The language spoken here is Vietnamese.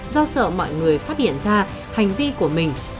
do sợ mọi người phát hiện ra hành vi của mình